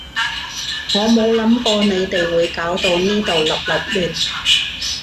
我冇諗過你哋會搞到呢度笠笠亂